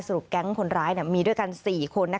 แก๊งคนร้ายมีด้วยกัน๔คน